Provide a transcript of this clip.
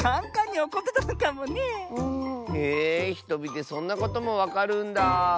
へえひとみでそんなこともわかるんだ。